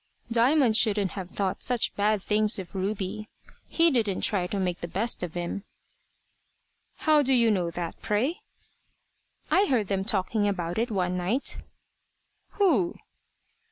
Diamond shouldn't have thought such bad things of Ruby. He didn't try to make the best of him." "How do you know that, pray?" "I heard them talking about it one night." "Who?"